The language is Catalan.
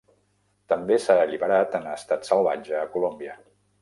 També s'ha alliberat en estat salvatge a Colòmbia.